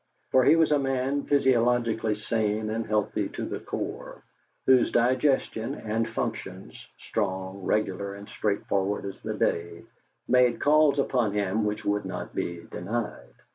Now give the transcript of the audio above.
For he was a man physiologically sane and healthy to the core, whose digestion and functions, strong, regular, and straightforward as the day, made calls upon him which would not be denied.